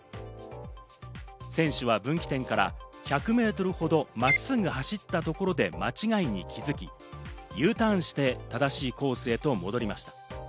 選手は分岐点から１００メートルほどまっすぐ走ったところで間違いに気づき、Ｕターンして正しいコースへと戻りました。